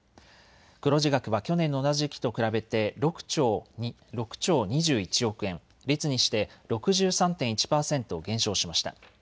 黒字額は去年の同じ時期と比べて６兆２１億円、率にして６３．１％減少しました。